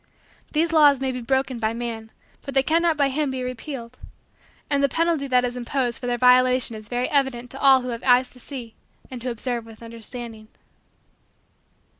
These laws may be broken by man but they cannot by him be repealed; and the penalty that is imposed for their violation is very evident to all who have eyes to see and who observe with understanding.